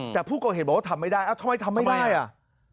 แต่ผู้ก็เห็นว่าทำไม่ได้ทำไมทำไม่ได้อ่ะ